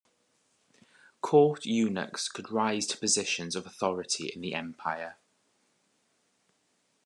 Court eunuchs could rise to positions of authority in the Empire.